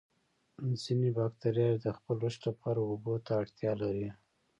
ځینې باکتریاوې د خپل رشد لپاره اوبو ته اړتیا لري.